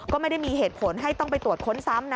ก็ไม่ได้มีเหตุผลให้ต้องไปตรวจค้นซ้ำนะ